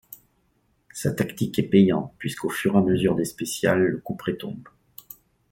Sa tactique est payante puisqu'au fur et à mesure des spéciales le couperet tombe.